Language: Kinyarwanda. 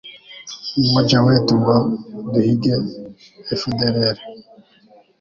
Umoja wetu ngo duhige FDLR